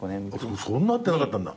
そんな会ってなかったんだ？